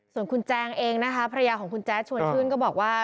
ส่วนคุณแจงเองนะคะภรรยาของคุณแจ๊ดชวนชื่นก็บอกว่า